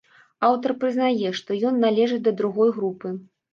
Аўтар прызнае, што ён належыць да другой групы.